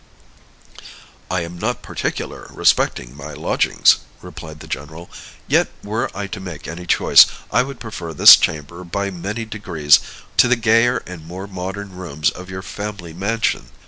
"I am not particular respecting my lodgings," replied the general; "yet were I to make any choice, I would prefer this chamber by many degrees to the gayer and more modern rooms of your family mansion.